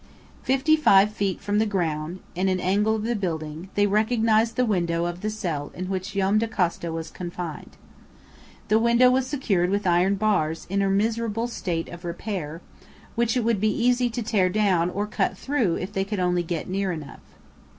Fifty five feet from the ground, in an angle of the building, they recognized the window of the cell in which Joam Dacosta was confined. The window was secured with iron bars in a miserable state of repair, which it would be easy to tear down or cut through if they could only get near enough.